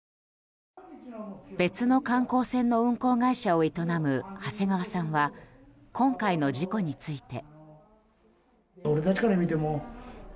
別の観光船の運航会社を営む長谷川さんは今回の事故について。